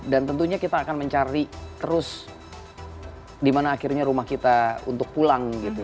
dan tentunya kita akan mencari terus dimana akhirnya rumah kita untuk pulang